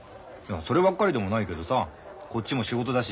そればっかりでもないけどさこっちも仕事だし。